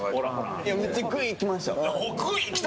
いや、めっちゃぐいーきました。